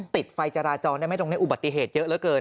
ติดไฟจราจรได้ไหมตรงนี้อุบัติเหตุเยอะเหลือเกิน